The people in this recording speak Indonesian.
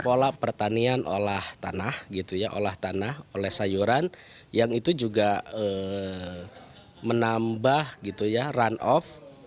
pola pertanian olah tanah oleh sayuran yang itu juga menambah run off